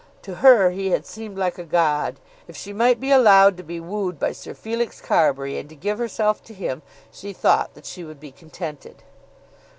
To her he had seemed like a god. If she might be allowed to be wooed by Sir Felix Carbury, and to give herself to him, she thought that she would be contented.